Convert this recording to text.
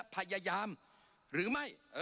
ภายยาลหรือไม่